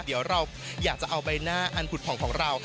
เดี๋ยวเราอยากจะเอาใบหน้าอันผุดผ่องของเรา